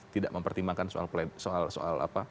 tidak mempertimbangkan soal